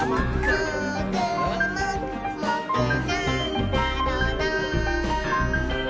「もーくもくもくなんだろなぁ」